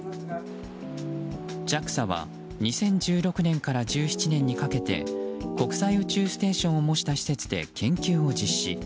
ＪＡＸＡは２０１６年から１７年にかけて国際宇宙ステーションを模した施設で研究を実施。